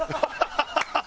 ハハハハ！